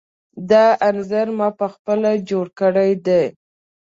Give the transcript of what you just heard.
دا انځور ما پخپله جوړ کړی دی.